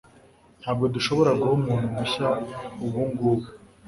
Ntabwo dushobora guha umuntu mushya ubungubu.